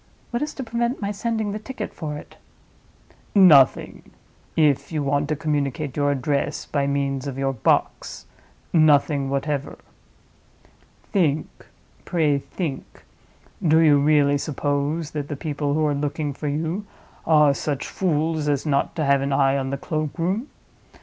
What is to prevent my sending the ticket for it?" "Nothing—if you want to communicate your address by means of your box—nothing whatever. Think; pray think! Do you really suppose that the people who are looking for you are such fools as not to have an eye on the cloakroom?